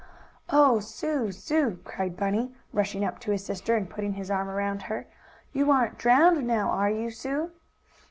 "Oh, Sue! Sue!" cried Bunny, rushing up to his sister, and putting his arms around her. "You aren't drowned now; are you, Sue?"